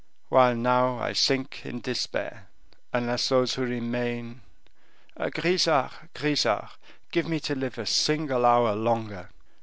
while now I sink in despair, unless those who remain... Grisart, Grisart, give me to live a single hour longer."